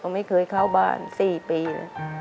ไม่เคยเข้าบ้าน๔ปีเลย